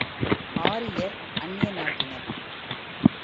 ஆரியர் அந்நிய நாட்டார்.